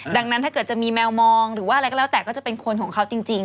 ดังนั้นถ้าเกิดจะมีแมวมองหรือว่าอะไรก็แล้วแต่ก็จะเป็นคนของเขาจริง